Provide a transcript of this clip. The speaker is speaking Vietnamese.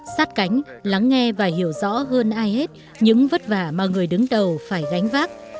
sát cánh lắng nghe và hiểu rõ hơn ai hết những vất vả mà người đứng đầu phải gánh vác